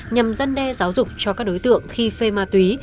nhằm gian đe giáo dục cho các đối tượng khi phê ma túy